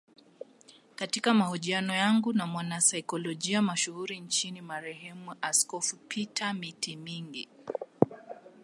Katika mahojiano yangu na mwanasaikolojia mashuhuri nchini marehemu askofu Peter Mitimingi